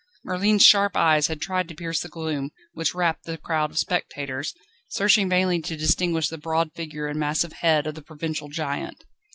Merlin's sharp eyes had tried to pierce the gloom, which wrapped the crowd of spectators, searching vainly to distinguish the broad figure and massive head of the provincial giant.